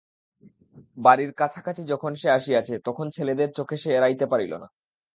বাড়ির কাছাকাছি যখন সে আসিয়াছে তখন ছেলেদের চোখে সে এড়াইতে পারিল না।